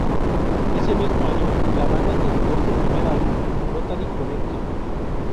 Ese mismo año la banda editó su primer álbum "Rotary connection".